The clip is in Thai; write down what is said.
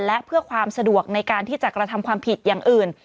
และเพื่อความสะดวกในการที่จะกระทำความผิดอย่างอื่น